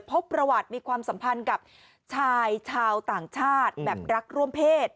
พบประวัติมีความสัมพันธ์กับชายชาวต่างชาติแบบรักร่วมเพศ